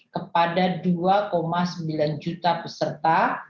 kepada dua sembilan juta peserta